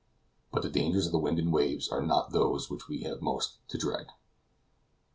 But the dangers of wind and waves are not those which we have most to dread.